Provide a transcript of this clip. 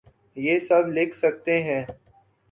یہ سب لکھ سکتے ہیں؟